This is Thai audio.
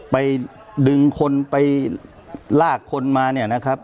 ไปดึงคนไปลากคนมาเนี่ยนะครับ